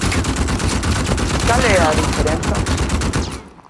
¿Cal é a diferenza?